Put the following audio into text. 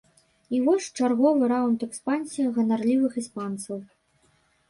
І вось чарговы раунд экспансіі ганарлівых іспанцаў.